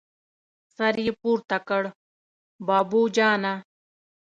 سر يې پورته کړ: بابو جانه!